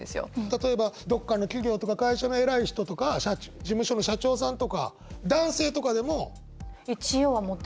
例えばどっかの企業とか会社の偉い人とか事務所の社長さんとか男性とかでも？